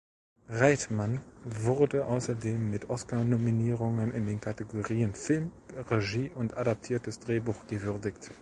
Reitman wurde außerdem mit Oscar-Nominierungen in den Kategorien "Film", "Regie" und "Adaptiertes Drehbuch" gewürdigt.